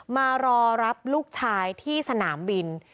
มารอรับลูกชายที่สนามบิน